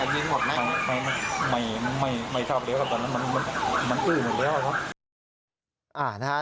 มันก็ยิงออกแน่ไม่บรรเทียมเรียกความลิยามันอื้อหมดเรียกความลิยา